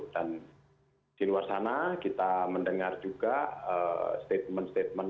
dan di luar sana kita mendengar juga statement statement